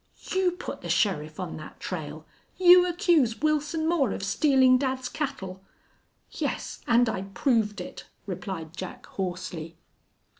"You put the sheriff on that trail! You accuse Wilson Moore of stealing dad's cattle!" "Yes, and I proved it," replied Jack, hoarsely.